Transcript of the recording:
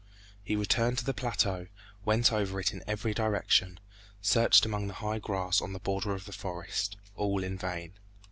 He returned to the plateau, went over it in every direction, searched among the high grass on the border of the forest, all in vain.